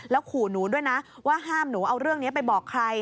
ขู่หนูด้วยนะว่าห้ามหนูเอาเรื่องนี้ไปบอกใคร